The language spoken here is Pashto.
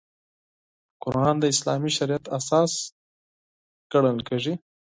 قران د اسلامي شریعت اساس ګڼل کېږي.